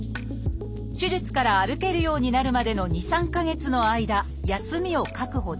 手術から歩けるようになるまでの２３か月の間休みを確保できる。